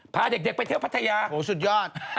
พาเด็กไปเที่ยวพัทยาโอ้โหสุดยอด